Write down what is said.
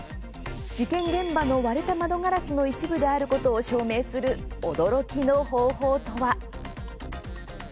事件現場の割れた窓ガラスの一部であることを証明する驚きの方法とは？